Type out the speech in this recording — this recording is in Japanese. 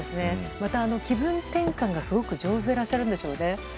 また、気分転換がすごく上手でいらっしゃるんでしょうね。